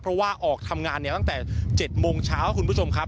เพราะว่าออกทำงานเนี่ยตั้งแต่๗โมงเช้าครับคุณผู้ชมครับ